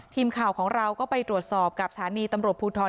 ทีมข่าวของเราก็ไปตรวจสอบกับสถานีตำรวจภูทร